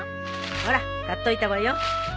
ほら買っといたわよ。